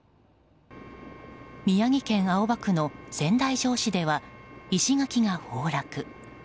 宮城県青葉区の仙台城址では石垣が崩落。